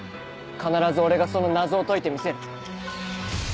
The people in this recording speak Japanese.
必ず俺がその謎を解いてみせる。